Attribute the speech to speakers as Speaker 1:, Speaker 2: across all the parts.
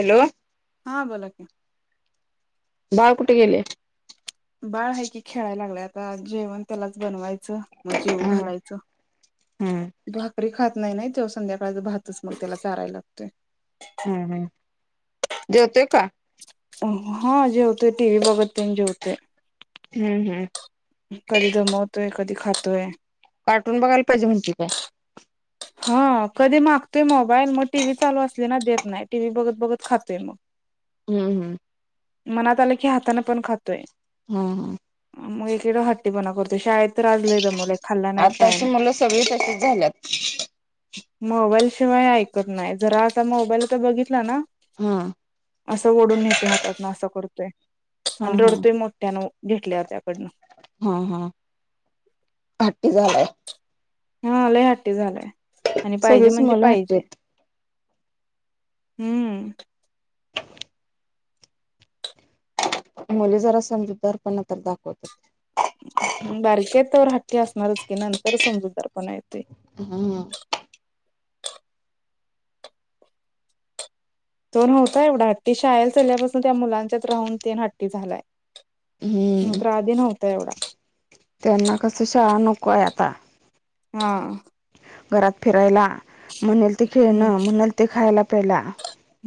Speaker 1: Hello
Speaker 2: हा बोला कि -
Speaker 1: बाळ कुठे गेले.
Speaker 2: बाळ आहे की खेळायला लागलंय आता जेवण त्यालाच बनवायचं - मग जेव
Speaker 1: हम्म
Speaker 2: घालायचं
Speaker 1: हम्म
Speaker 2: भाकरी खात- नाही नाही तेव संध्याकाळच पाहतच मग त्याला चारायला लागते.
Speaker 1: हम् हम् जेवते का -
Speaker 2: हा जे होतय टी व्ही बघत तेन जेवतेय -
Speaker 1: हम्म -हम्म
Speaker 2: दमवतोय कधी खातोय?
Speaker 1: कार्टून बघायला पाहिजे म्हणते काय -
Speaker 2: हा कधी मागतोय मोबाईल मग टी व्ही चालू असली ना देत नाही टी व्ही बघत बघत खातोय मग -
Speaker 1: हम्म -हम्म
Speaker 2: मनात आलं की हातान पण खातोय!
Speaker 1: हम्म -हम्म
Speaker 2: मग एकेकदा हट्टीपणा करतो शाळेत्र आलय मला -
Speaker 1: आताची मुलं सगळे तसेच झाल्यात -
Speaker 2: मोबाईल शिवाय ऐकत नाही जरा आता मोबाईल तर बघितला ना -
Speaker 1: हा
Speaker 2: असं ओढून नेतोय हातातन असं करतोय
Speaker 1: हा
Speaker 2: आणि
Speaker 1: हा.
Speaker 2: रडतोय मोठ्यानं घेतल्या त्याकडनं -
Speaker 1: हा हा हाट्टी झालाय -
Speaker 2: हा लई हाट्टी झालंय आणि पाहिजे
Speaker 1: सगळीच
Speaker 2: म्हणजे
Speaker 1: मुलं हट्टी
Speaker 2: पाहिजे.
Speaker 1: आहेत.
Speaker 2: हम्म
Speaker 1: मुली जरा समजूदारपना तर दाखवत्यात.
Speaker 2: बारक्या तर हट्टी असणारच की नंतर समजूतदार -
Speaker 1: हा
Speaker 2: तो नव्हता एवढा हट्टी शाळेला चलल्यापासून त्या मुलांच्यात राहून तीन हट्टी झालाय ह
Speaker 1: हम्म
Speaker 2: तर आधी नव्हता एवढा -
Speaker 1: त्यांना कस शाळा नकोय आता -
Speaker 2: हा
Speaker 1: घरात फिरायला म्हणेल ते
Speaker 2: हम्म
Speaker 1: खेळणं म्हणेल ते खायला प्यायला -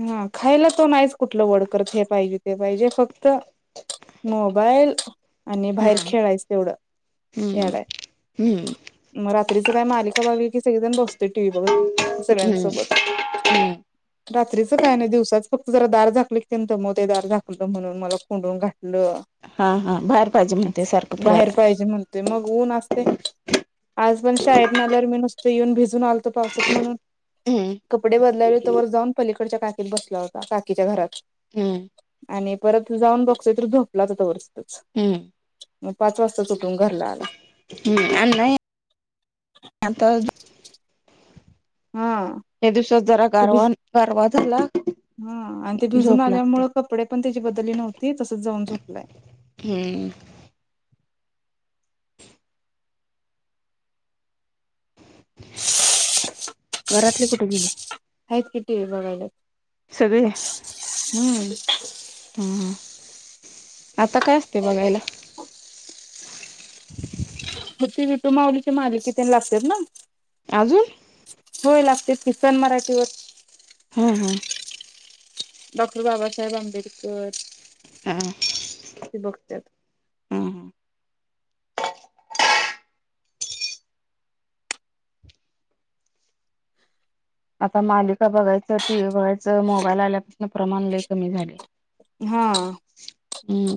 Speaker 2: हा खायला तो नाहीच कुठलं वड करत हे पाहिजे ते पाहिजे फक्त मोबाईल आणि बाहेर
Speaker 1: हम्म
Speaker 2: खेळायच तेवढं
Speaker 1: हम्म
Speaker 2: याड हाय
Speaker 1: हम्म
Speaker 2: मग रा त्रीच काय मालिका बघायला सगळीजण बसतोय टी व्ही बघत
Speaker 1: हम्म हम्म [unintelligible]
Speaker 2: रात्रीच काय नाही दिवसाच फक्त जरा दार झाकल की तेन जरा दमवतोय दार झाकलं म्हणून मला कोंडून घात लं
Speaker 1: हा हा बाहेर पाहिजे म्हणते सारखं फिरायला
Speaker 2: बाहेर पाहिजे म्हणतोय मग ऊन असते आज पण शाळेतणं आल्यावर मी नुसत येऊन भिजून आलतो पावसात म्हणून
Speaker 1: हम्म
Speaker 2: कपडे बदलालोय तवर जाऊन पलीकडच्या काकीत बसला होता काकीच्या घरात
Speaker 1: हम्म
Speaker 2: आणि परत जाऊन बघतोय तर झोपला होता तवर तिथंच
Speaker 1: हम्म
Speaker 2: मग पाच वाजताच उठून घरला आला
Speaker 1: हम्म आणि नाही आता
Speaker 2: हा
Speaker 1: या दिवसात जरा
Speaker 2: ते भी
Speaker 1: गारवा गारवा झाला
Speaker 2: हा आणि ते भिजून
Speaker 1: झोप लागते.
Speaker 2: आल्यामुळं कपडे पण त्याची बदली नव्हती तसच जाऊन झोपलाय
Speaker 1: हम्म घरातले कुठे गेले
Speaker 2: आहेत की टीव्ही बघायल्यात हम्म.
Speaker 1: हा हा आता काय असतयं बघायला? [inaudible]
Speaker 2: मग ते विठू माऊलीच्या मालिकी तेन लागत्यात ना
Speaker 1: अजून
Speaker 2: होय लागत्यात ती सन मराठीवर.
Speaker 1: हम्म हम्म.
Speaker 2: डॉक्टर बाबासाहेब आंबेडकर.
Speaker 1: हा
Speaker 2: ते बघत्यात.
Speaker 1: हम्म हम्म आता मालिका बघायचं टीव्ही बघायचं मोबाईल आल्यापासून प्रमाण लय कमी झालयं.
Speaker 2: हा.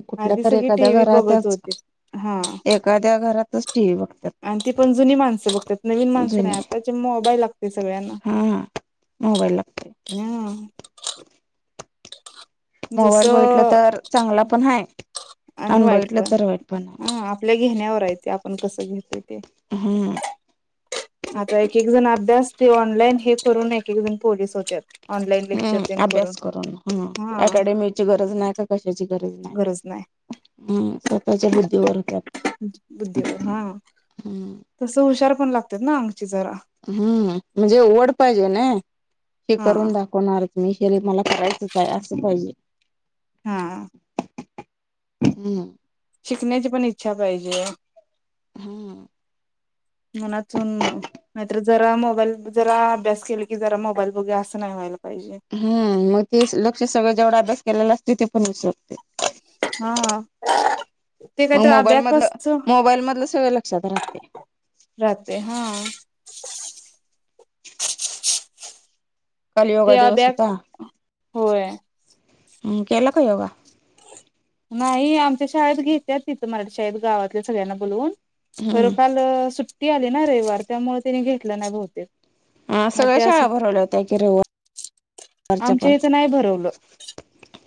Speaker 1: कुठल्या
Speaker 2: आधी
Speaker 1: तर
Speaker 2: सगळी
Speaker 1: एखाद्या
Speaker 2: टी व्ही बघत
Speaker 1: घरातच
Speaker 2: होतीत हा.
Speaker 1: एखाद्या घरातच टी व्ही बघतात
Speaker 2: आणि ती पण जुनी माणसं बघत्यात नवीन माणसं नाही
Speaker 1: जुनी
Speaker 2: आता चे मोबाईल लागत य सगळ्यांना
Speaker 1: हा हा मोबाईल लागते
Speaker 2: हं. जस
Speaker 1: मोबाईल बघितलं तर चांगला पण हाय
Speaker 2: आणि वाईट
Speaker 1: बघितलं
Speaker 2: पण
Speaker 1: तर वाईट पण आहे
Speaker 2: ह आपल्या इक घेण्यावर आहे ते आपण कसं घेत
Speaker 1: हं.
Speaker 2: आता एक एक जण अभ्यास ते ऑनलाईन हे करून एक एक जण पोलीस होत्यात. ऑनलाईन लेक्चर
Speaker 1: हम्म
Speaker 2: तेन
Speaker 1: अभ्यास करून ह
Speaker 2: हा
Speaker 1: अकॅडमीची गरज नाही का कशाची गरज नाय. हम्म स्वतःच्या बुद्धीवर हुत्यात.
Speaker 2: बुद्धीवर हा तस हुशार पण लागत्यात ना अंगची जरा.
Speaker 1: हम्म म्हणजे ओढ पाहिजे नाही हे
Speaker 2: हा
Speaker 1: करून दाखवणार. मी हे मला करायचचं आहे असं पाहिजे.
Speaker 2: हा.
Speaker 1: हम्म.
Speaker 2: शिकण्याची पण इच्छा पाहिजे.
Speaker 1: हम्म
Speaker 2: मनातून नाहीतर जरा मोबाईल जरा अभ्यास केला की जरा मोबाईल बघूया असं नाही व्हायला पाहिजे
Speaker 1: हम्म मग ते स लक्ष सगळं जेवढा अभ्यास केलेला अस त्यो पण विसरतोय.
Speaker 2: हा ते
Speaker 1: मग
Speaker 2: काहीतरी
Speaker 1: मोबाईल मधलं
Speaker 2: अबॅकसच
Speaker 1: मोबाईल मधलं सगळ लक्षात राहतयं.
Speaker 2: राहतयं हा.
Speaker 1: काल योगा
Speaker 2: ते
Speaker 1: दिवस हुता.
Speaker 2: अबॅक होय
Speaker 1: हम्म केला का योगा?
Speaker 2: नाही आमच्या शाळेत घेत्याच तिथं मराठी शाळेत गावातल्या सगळ्यांना बोलवून खरं
Speaker 1: हम्म
Speaker 2: काल सुट ट्टी आली ना रविवार त्यामुळे त्यांनी घेतलं नाय बहुतेक.
Speaker 1: हा
Speaker 2: मग
Speaker 1: सगळ्या
Speaker 2: ते असं
Speaker 1: शाळा भरवल्या होत्या की रविवार
Speaker 2: आमच्या याच नाय भरवलं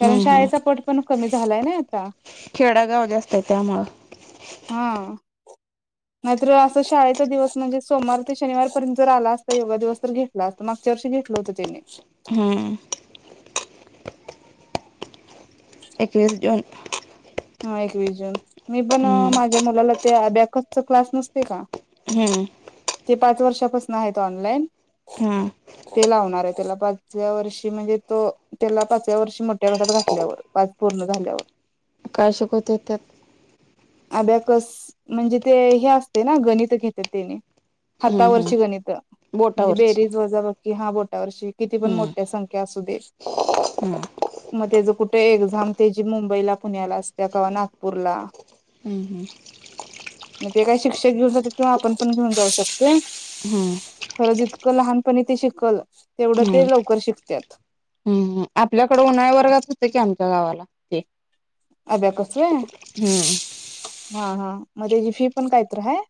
Speaker 2: कारण शाळेचा पट पण कमी झालाय ना आता
Speaker 1: खेडगाव जास्तयं त्यामुळं
Speaker 2: हा
Speaker 1: [inaudible]
Speaker 2: नाहीतर असं शाळेचा दिवस म्हणजे सोमवार ते शनिवारपर्यंत जर आला असता योगा दिवस तर घेतल असतं मागच्या वर्षी घेतलं होतं त्यांनी.
Speaker 1: हम्म. एकवीस जून
Speaker 2: हां एकवीस जून मी पण
Speaker 1: हम्म
Speaker 2: माझ्या मुलाला ते अबॅकसचा क्लास नसतय का
Speaker 1: हम्म.
Speaker 2: ते पाच वर्षापासून आहेत ऑनलाइन
Speaker 1: हा
Speaker 2: ते लावणार आहे त्याला पाचव्या वर्षी म्हणजे तो त्याला पाचव्या वर्षी मोठ्या गटात घातल्यावर पाच पूर्ण झाल्यावर.
Speaker 1: काय शिकवत्यात त्यात?
Speaker 2: अबॅकस म्हणजे ते हे असतंय ना गणित घेत्यात तेनी.
Speaker 1: हम्म हम्म
Speaker 2: हातावरची गणित म्हणजे
Speaker 1: बोटावरची
Speaker 2: बेरीज, वजाबाकी हा बोटा यावर्षी किती पण मोठ्या संख्या असू दे
Speaker 1: हम्.
Speaker 2: तेज कुठे एक्झाम त्याची मुंबईला, पुण्याला असत्या कवा नागपूरला.
Speaker 1: हम्म
Speaker 2: मग तेे काय शिक्षक घेऊन जातात. किंवा आपण पण घेऊन जाऊ शकतोय.
Speaker 1: हम्म
Speaker 2: खरं जीतकं लहानपणी ते शिकल तेवढं ते लवकर शिकत्यात.
Speaker 1: आपल्याकड उन्हाळी वर्गात होत कि आमच्या गावाला ते
Speaker 2: अबॅकस होय.
Speaker 1: हम्म
Speaker 2: हा हा मग त्याची फी पण काहीतर हाय.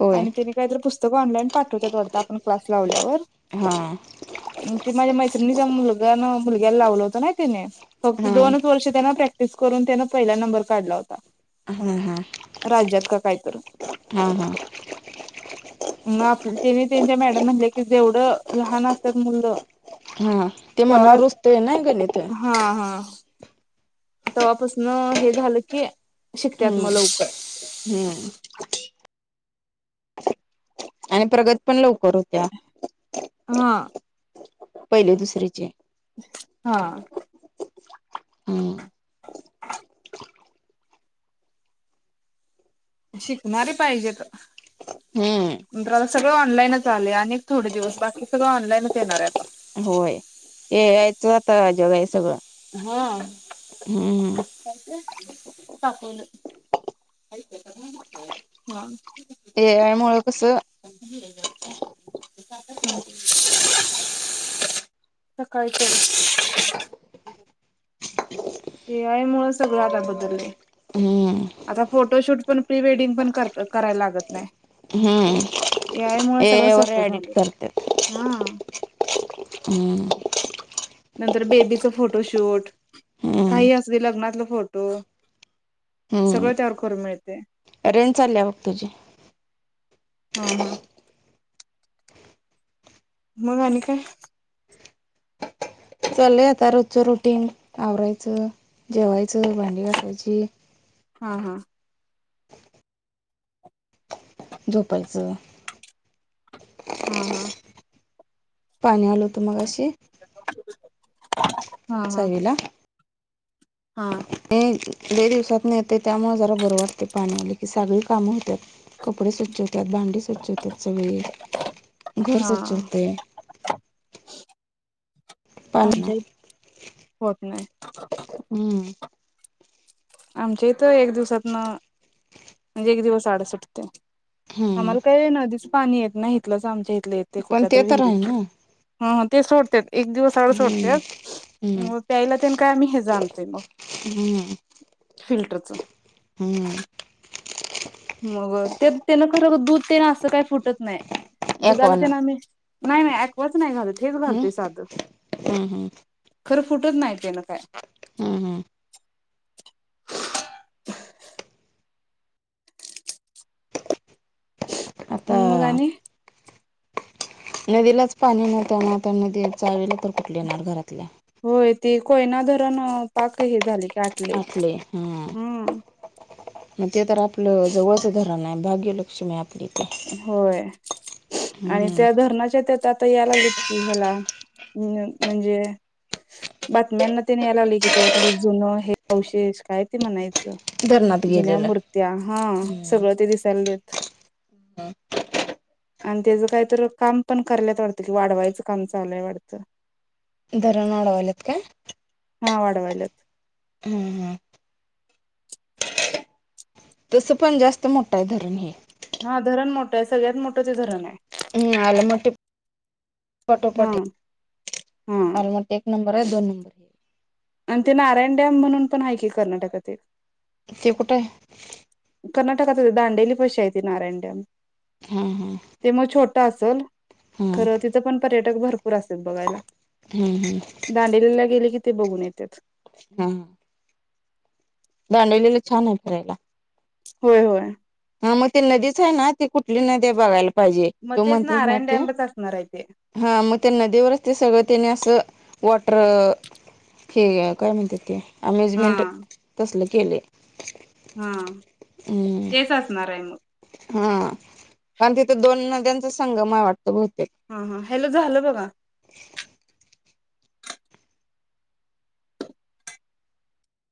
Speaker 1: होय
Speaker 2: आणि त्याने काहीतर पुस्तक ऑनलाईन पाठवतात वाढत. आपण क्लास लावल्यावर
Speaker 1: हा
Speaker 2: मग ते माझ्या मैत्रिणीच्या मुलग्यांन मुलग्याला लावलं होत नई त्यानी. फक्त
Speaker 1: हा
Speaker 2: दोनच वर्ष त्यांना प्रॅक्टिस करून त्यान पहिला नंबर काढला होता.
Speaker 1: हा. हा.
Speaker 2: राज्यात का काय तर
Speaker 1: हा हा.
Speaker 2: मग आपण त्यांनी त्यांच्या मॅडम म्हणल्या की जेवढं लहान असतात मुलं
Speaker 1: हा ते
Speaker 2: तेव्हा
Speaker 1: मनावर रुजतय ना गणित.
Speaker 2: तेव्हापासून हे झालं की शिकत्यात
Speaker 1: हम्म
Speaker 2: मग लवकर
Speaker 1: हम्म. आणि प्रगत पण लवकर होत्यात.
Speaker 2: हा.
Speaker 1: पहिली, दुसरीचे.
Speaker 2: हा
Speaker 1: हम्म.
Speaker 2: शिकणारी पाहिजेत.
Speaker 1: हम्म.
Speaker 2: सगळ ऑनलाईनच आलय आणि थोडे दिवस बाकी सगळं ऑनलाईनच येणार आहे आता.
Speaker 1: होय ए. आय. च आता जग हे सगळं.
Speaker 2: हा
Speaker 1: हम्म
Speaker 2: काकून. हा.
Speaker 1: ए आय मूळ
Speaker 2: [inaudible] सकाळच. ए आय मुळं सगळं आता बदललय.
Speaker 1: हम्म
Speaker 2: आता फोटोशूट पण प्री-वेडिंग पण करायला लागत नाही. ए आय मुळ
Speaker 1: हम्म ए
Speaker 2: सगळं
Speaker 1: आई वर
Speaker 2: सोपं
Speaker 1: एडिट
Speaker 2: झालं
Speaker 1: करत्यात.
Speaker 2: हा
Speaker 1: हम्म.
Speaker 2: नंतर बेबीचं फोटोशूट
Speaker 1: हम्म
Speaker 2: काही असुदेत लग्नातलं फोटो -
Speaker 1: हम्म
Speaker 2: सगळं त्यावर करून मिळते.
Speaker 1: रेंज चालल्या बघ तुझी
Speaker 2: हां -हां मग आणि काय?
Speaker 1: चाललय आता रोजचं रुटीन आवरायचं जेवायचं - च भांडी घासायची -
Speaker 2: हां-हां.
Speaker 1: झोपलचं -
Speaker 2: हां -हां.
Speaker 1: पाणी आल होत मगाशी
Speaker 2: [inaudible]
Speaker 1: चावीला
Speaker 2: हा.
Speaker 1: ये लई दिवसात न येतय, त्यामुळ जरा बरं वाटत पाणी आल की, सगळी कामं होत्यात कपडे स्वच्छ हो त्यात, भांडी स्वच्छ होत्यात सगळी, घर स्वच्छ
Speaker 2: हा
Speaker 1: होतय.
Speaker 2: आमच्या इथ होत नाही.
Speaker 1: हम्म
Speaker 2: आमच्या इथं एक दिवसात न म्हणजे एक दिवस अड सुटतय -
Speaker 1: हम्म
Speaker 2: आम्हाला काय नदीच पाणी येत ना इथलंच आमच्या इथलं येते
Speaker 1: पण
Speaker 2: कुठल्या
Speaker 1: ते
Speaker 2: तरी
Speaker 1: तर आहे
Speaker 2: विहिरीत
Speaker 1: ना
Speaker 2: - ह ते सोडते. एक दिवस आड
Speaker 1: हम्म
Speaker 2: सोडत्यात
Speaker 1: हम्म
Speaker 2: मग प्यायला तेन काय आम्ही हेज आणतोय मग
Speaker 1: हम्म
Speaker 2: - फिल्टरचं
Speaker 1: हम्म
Speaker 2: मग तेन खरं दूध ते ना असं काही फुटत नाही. दुधाला
Speaker 1: एकवान
Speaker 2: ते ना मी नाही नाही एक्वाच नाही घालत हेच घालतोय साधं-
Speaker 1: हम -हम
Speaker 2: खरं फुटत नाही ते ना काय -
Speaker 1: हम्- हम् आता
Speaker 2: मग आणि -
Speaker 1: नदीलाच पाणी नव्हत आणि आता नदी चावीला तर कुटल येणार घरातल -
Speaker 2: होय ती कोयना धरण पाक हे झाले. आटले.
Speaker 1: आठलय हां -हां
Speaker 2: हम्म
Speaker 1: मग ते तर आपलं जवळचं धरण आहे भाग्यलक्ष्मी -
Speaker 2: होय आणि
Speaker 1: हम्म
Speaker 2: त्या धरणाच्या त्यात आता यायला लागलेत कि ह्याला - ह म्हणजे - बातम्यांना तेनी या लावले की त्यातली जुनं हे अवशेष काय ते म्हणायचं
Speaker 1: धरणात
Speaker 2: - जुन्या
Speaker 1: गेलेलं
Speaker 2: मूर्त्या हा सगळं
Speaker 1: हम्म
Speaker 2: ते दिसालेत. आणि त्याचं कायत काम पण कयत वाटतं कि वाढवायचं काम चालू वाढत.
Speaker 1: धरन वाढववाल्यात काय?
Speaker 2: हा वाढवाल्यात.
Speaker 1: तस पण जास्त मोठा आहे धरण हे -
Speaker 2: हा धरण मोठं सगळ्यात मोठं ते धरण आहे.
Speaker 1: हम्म अलमट्टी -
Speaker 2: हा
Speaker 1: फटोपटे -
Speaker 2: हा
Speaker 1: अलमट्टी एक नंबर आहे दोन नंबर हे!
Speaker 2: आणि ते नारायण डॅम म्हणून पण आहे कर्नाटकातील -
Speaker 1: ते कुठाय -
Speaker 2: कर्नाटकात दांडेली पशी आहे ते नारायण डॅम -
Speaker 1: हम्म -हम्म
Speaker 2: ठा असल खरं तिथं पण पर्यटक भरपूर - पुर असत्यात बघायला
Speaker 1: हम्म
Speaker 2: दांडिला गेले की ते बघून येतेत.
Speaker 1: हाऽऽ दांडवलीला छान आहे फिरायलाऽऽ
Speaker 2: होय होय.
Speaker 1: हा मग ते नदीच आहे ना ती कुठली नदी बघायला पाहिजे,,
Speaker 2: मग
Speaker 1: तो
Speaker 2: तेच
Speaker 1: म्हणतस नाय
Speaker 2: नारायण डॅमच असणार आहे ते
Speaker 1: तेऽऽ हा मग त्या नदीवरच ते सगळं त्यानी असंऽऽ वॉटर,,, हे काय म्हणतात ते
Speaker 2: हा
Speaker 1: अमेजमेंट तसलं केलंय.
Speaker 2: हा,, तेच असणार आहे म.
Speaker 1: हा,,, कारण तिथं दोन नद्यांचा संगम आय वाटतं बहुऽऽऽ
Speaker 2: हा हा,,, हेॅलो झालं बघा..